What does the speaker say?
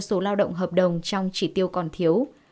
số lao động hợp đồng trong chỉ tiêu còn thiếu